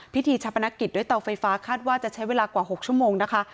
พิธีชาปนกิจด้วยเตาไฟฟ้าคาดว่าจะใช้เวลากว่า๖ชั่วโมงนะคะ